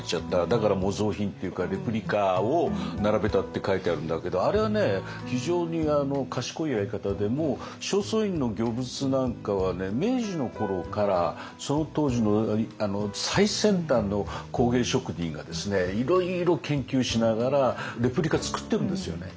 だから模造品っていうかレプリカを並べたって書いてあるんだけどあれは非常に賢いやり方でもう正倉院の御物なんかは明治の頃からその当時の最先端の工芸職人がいろいろ研究しながらレプリカ作ってるんですよね。